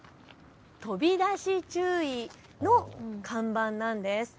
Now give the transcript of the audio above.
飛び出し注意の看板なんです。